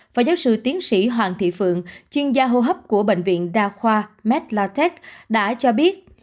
và giáo sư tiến sĩ hoàng thị phượng chuyên gia hô hấp của bệnh viện đa khoa meslatech đã cho biết